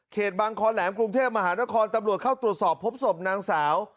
บางคอแหลมกรุงเทพมหานครตำรวจเข้าตรวจสอบพบศพนางสาว